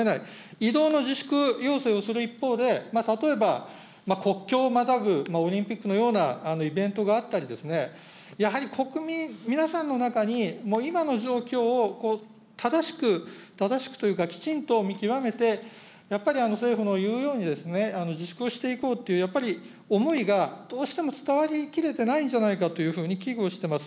移動の自粛要請をする一方で、例えば国境をまたぐ、オリンピックのようなイベントがあったりですね、やはり国民皆さんの中に、もう今の状況を正しく、正しくというか、きちんと見極めて、やっぱり政府の言うように、自粛をしていこうという、やっぱり思いがどうしても伝わりきれてないんじゃないかというふうに危惧をしています。